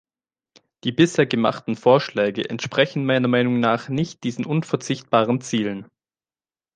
Die bisher gemachten Vorschläge entsprechen meiner Meinung nach nicht diesen unverzichtbaren Zielen.